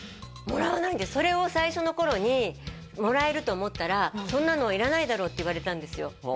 もらわないんですそれを最初の頃にもらえると思ったらそんなのいらないだろ？って言われたんですよ